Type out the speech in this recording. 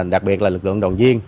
đặc biệt là lực lượng đồng viên